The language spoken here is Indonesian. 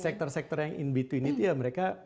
sektor sektor yang in between itu ya mereka